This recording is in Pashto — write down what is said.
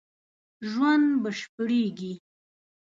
ژوند بشپړېږي